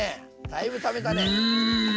だいぶためたね。